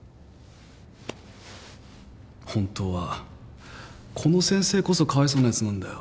ホントはこの先生こそかわいそうなやつなんだよ。